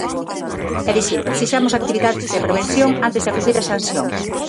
É dicir, precisamos actividades de prevención antes de acudir ás sancións.